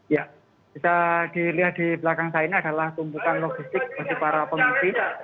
ya bisa dilihat di belakang saya ini adalah tumpukan logistik bagi para pengungsi